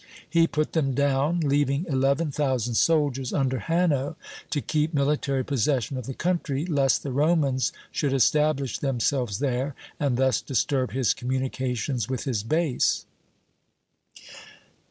He put them down, leaving eleven thousand soldiers under Hanno to keep military possession of the country, lest the Romans should establish themselves there, and thus disturb his communications with his base.